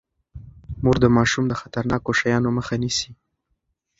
مور د ماشوم د خطرناکو شيانو مخه نيسي.